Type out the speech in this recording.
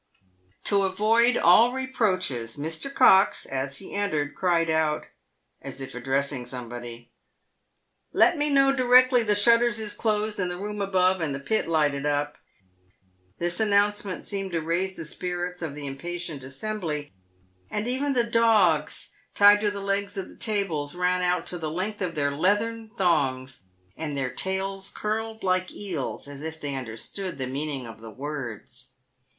To avoid all reproaches, Mr. Cox, as he entered, cried out, as if addressing somebody, " Let me know directly the shutters is closed in the room above, and the pit lighted up." This announcement seemed to raise the spirits of the impatient assembly, and even the PAYED WITH GOLD. 155 dogs tied to the legs of the tables ran out to the length of their leathern thongs, and their tails curled like eels, as if they under stood the meaning of the words.